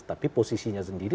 tapi posisinya sendiri